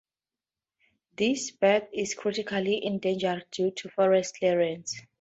This bird is critically endangered due to forest clearance.